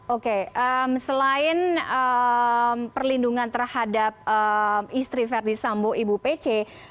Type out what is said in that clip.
oke selain perlindungan terhadap istri ferdisambo ibu pc